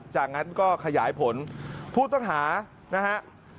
จากนั้นก็ขยายผลผู้ต้องหานะฮะ